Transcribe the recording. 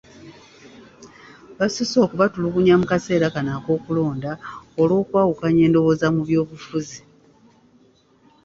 Basusse okubatulugunya mu kaseera kano ak'okulonda, olw'okwawukanya endowooza mu by'obufuzi.